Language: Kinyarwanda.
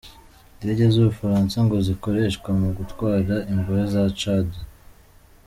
Indege z’u Bufaransa ngo zinakoreshwa mu gutwara imbohe za Tchad.